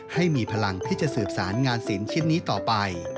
ให้มีพลังที่จะสืบสารงานศิลป์ชิ้นนี้ต่อไป